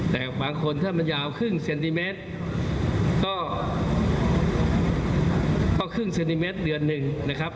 แต่บางคนถ้ามันยาวครึ่งเซนติเมตรก็ครึ่งเซนติเมตรเดือนหนึ่งนะครับ